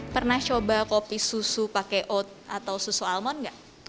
pernah coba kopi susu pakai oat atau susu almond nggak